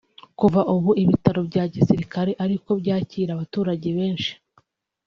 Kuva ubu ibi bitaro bya Gisirikare ariko byakira abaturage benshi